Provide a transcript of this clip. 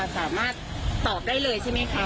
สามารถตอบได้เลยใช่ไหมคะ